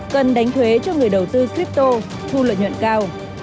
cần đánh thuế cho người đầu tư shipto thu lợi nhuận cao